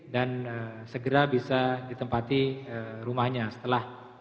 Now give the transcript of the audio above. dan segera bisa ditempati rumahnya setelah